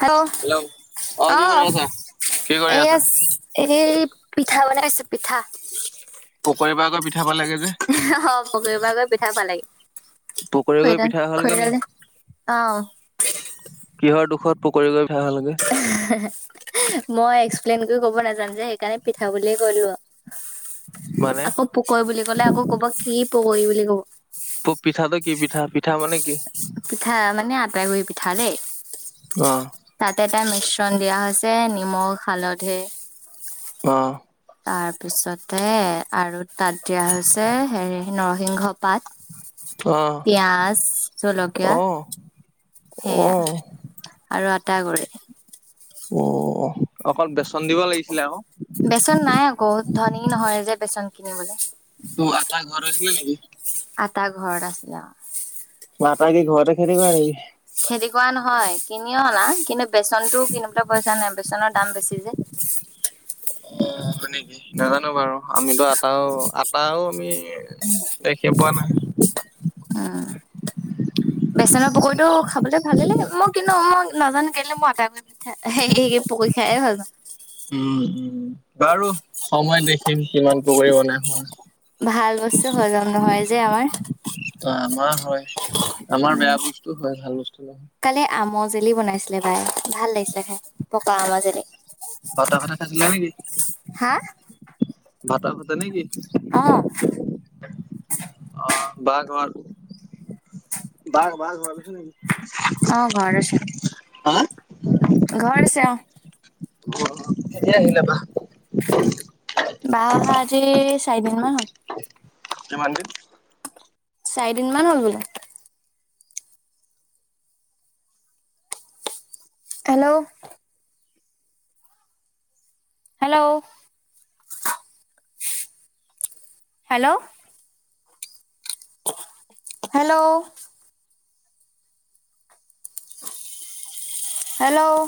Hello অ কি কৰি অহ আছা? কি কৰি এইয়া আছা? এই পিঠা বনাই আছোঁ পিঠা [unintelligible] [unintelligible] [unintelligible] খৰিডাল পকৰি গৈ পিঠা হ'লগে নি? খৰিডাল দেহ অহ কিহৰ দুখত পকৰি [unintelligible] ভাল লাগে মই এক্সপ্লেইন কৰি ক'ব নাজানো যে সেইকাৰণে পিঠা বুলিয়ে ক'লো আৱ মানে? আকৌ পকৰি বুলি ক'লে আকৌ কব কি পকৰি বুলি কব [unintelligible] পিঠাটো কি পিঠা পিঠা মানে কি পিঠা মানে আট গুৰি পিঠা দেই অ। তাতে এটা [unintelligible] [unintelligible] দিয়া হৈছে নিমখ হালধি আহ তাৰপিছতে আৰু তাত দিয়া হৈছে হেৰি নৰসিংহ পাত অ পিয়াজ জলকীয়া অ অ সেয়া আৰু আটা গুৰি অ অকন বেচন দিব লাগিছিলে আকৌ বেচন নাই আকৌ ধনী নহয় যে বেচন কিনিবলৈ তো আটা ঘৰত [unintelligible] নেকি আটা ঘৰত আছিলে আওঁ আটা কি ঘৰতে খেতি কৰে নেকি খেতি কৰা নহয় কিনি অনা কিন্তু বেচনটোও কিনিবলৈ পইচা নাই বেচনৰ দাম বেছি যে অ হয় নেকি নাজানো বাৰু আমিতো আটাও আটাও আমি দেখি পোৱা নাই [inaudible] বেচনৰ পকৰিটো খাবলৈ ভাল লাগে মই কিন্তু মই নাজানো কেলে মই আটাই [unintelligible] সেই সে পকৰি খাইে ভাল উ উ বাৰু সময় দেখিম কিমান পকৰি বনাই সময় ভাল বস্তু হজম নহয় যে আমাৰ অ আমাৰ হয় আমাৰ উম বেয়া বস্তুও হয় ভাল বস্তুও হয় কালি আমৰ জেলি বনাইছিলে বাই ভাল লাগিছিলে খাই পকা আমাৰ জেলি [unintelligible] হা [unintelligible] [unintelligible] অ অ বা গল বা গল [unintelligible] অ ঘৰ আছে হা ঘৰ আছে অ অ কেতিয়া আহিলে বা বা আহা আজি চাৰিদিন মান হল কিমান দিন চাৰিদিনমান হ'ল বোল hello hello hello hello hello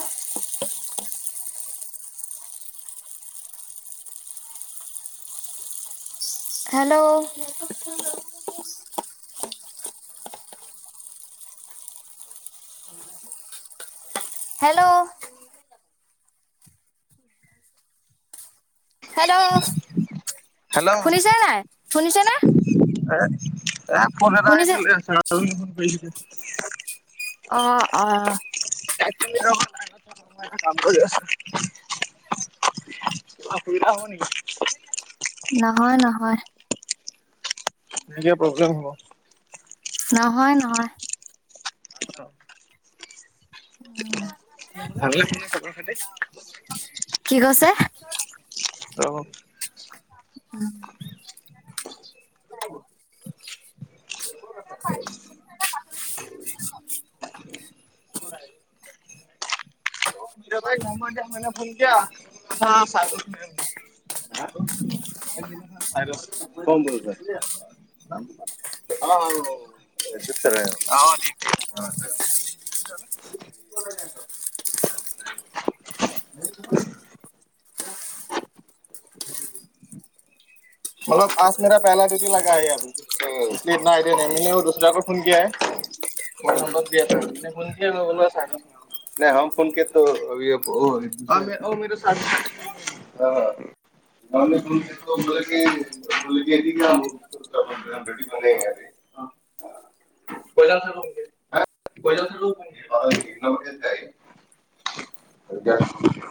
hello hello hello hello শুনিছেনে নাই শুনিছে নে এ এই ফোন এটা শুনিছে আহিছিল [unintelligible] অ অ এক মিনিট ৰব [unintelligible] অসুবিধা হব নেকি নহয় নহয় এনেকে প্ৰব্লেম হব নহয় নহয় [inaudible] উম ভালেই ভালনে খবৰ খাতি কি কৈছে ত উম [unintelligible] [unintelligible] ফন কিয়া হা আৰু কৌন [unintelligible] [unintelligible] [unintelligible] [unintelligible] [unintelligible] আজ মেৰা পেহেলা ডিউটি লাগায়া আভি তৌ ইতনা আইডিয়া নাহি অ দুচৰাকৌ গিয়া হে নে হম ফন কিয়া তৌ অভি অব ৱা অ মেৰে চাথ হা [unintelligible] [unintelligible] [unintelligible] [unintelligible]